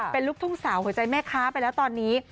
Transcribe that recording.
เป็นลูกทุ่งสาวหัวใจแม่ค้าไปแล้วตอนนี้